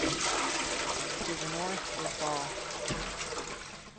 To the north is Ball.